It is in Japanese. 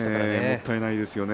もったいないですね。